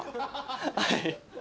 はい。